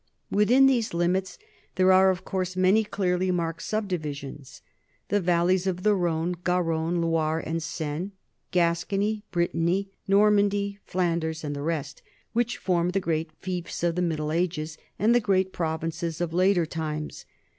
Within these limits there are of course many clearly marked subdivisions the valleys of the Rhone, Ga ronne, Loire, and Seine, Gascony, Brittany, Normandy, Flanders, and the rest which formed the great fiefs of the Middle Ages and the great provinces of later times.